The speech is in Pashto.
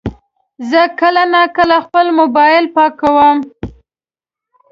زه کله ناکله خپل موبایل پاکوم.